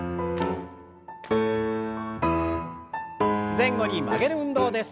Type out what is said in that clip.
前後に曲げる運動です。